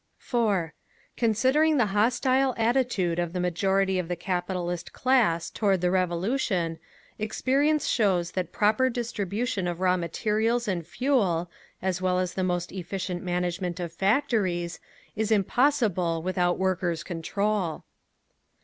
4. Considering the hostile attitude of the majority of the capitalist class toward the Revolution, experience shows that proper distribution of raw materials and fuel, as well as the most efficient management of factories, is impossible without Workers' Control.